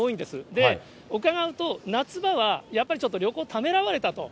で、伺うと、夏場はやっぱり旅行ためらわれたと。